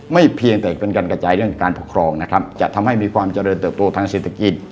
เพียงแต่เป็นการกระจายเรื่องการปกครองนะครับจะทำให้มีความเจริญเติบโตทางเศรษฐกิจ